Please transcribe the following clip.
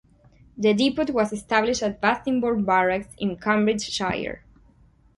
The depot was established at Bassingbourn Barracks in Cambridgeshire.